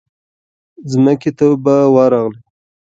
ځمکې ته اوبه ورغلې.